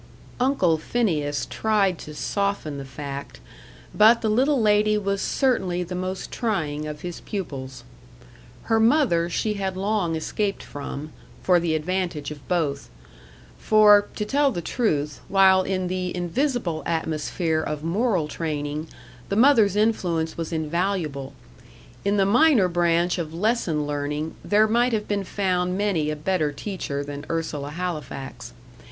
Uncle Phineas tried to soften the fact, but the little lady was certainly the most trying of his pupils. Her mother she had long escaped from, for the advantage of both. For, to tell the truth, while in the invisible atmosphere of moral training the mother's influence was invaluable, in the minor branch of lesson learning there might have been found many a better teacher than Ursula Halifax.